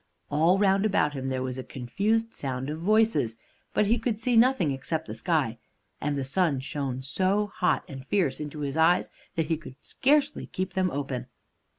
All round about him there was a confused sound of voices, but he could see nothing except the sky, and the sun shone so hot and fierce into his eyes that he could scarcely keep them open.